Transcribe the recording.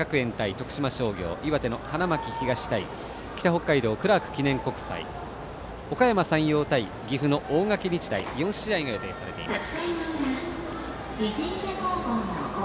徳島商業岩手の花巻東対北北海道、クラーク記念国際おかやま山陽対岐阜の大垣日大の４試合が予定されています。